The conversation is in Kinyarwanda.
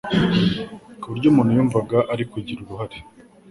ku buryo umuntu yumvaga ari kugira uruhare